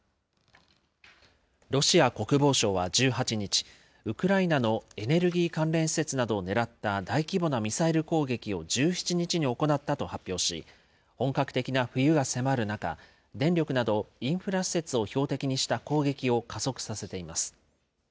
ロシア国防省は１８日、ウクライナのエネルギー関連施設などを狙った大規模なミサイル攻撃を１７日に行ったと発表し、本格的な冬が迫る中、電力などインフラ施設を標的にした攻撃を加速させています。